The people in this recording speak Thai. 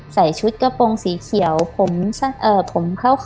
ใส่ชุดกระโปรงสีเขียวผมเออผมเข้าคอ